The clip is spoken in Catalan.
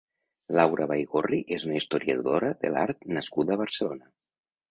Laura Baigorri és una historiadora de l'art nascuda a Barcelona.